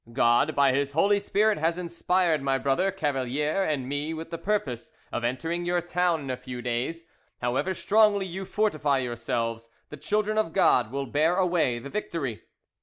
God, by His Holy Spirit, has inspired my brother Cavalier and me with the purpose of entering your town in a few days; however strongly you fortify yourselves, the children of God will bear away the victory.